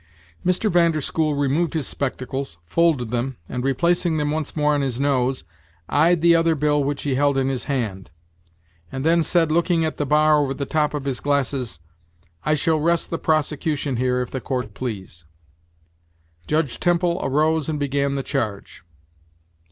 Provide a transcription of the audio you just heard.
Mr. Van der School removed his spectacles, folded them and, replacing them once more on his nose, eyed the other bill which he held in his hand, and then said, looking at the bar over the top of his glasses; "I shall rest the prosecution here, if the court please." Judge Temple arose and began the charge.